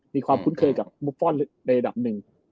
มีความคุ้นเคยกับบุฟฟอลในระดับหนึ่ง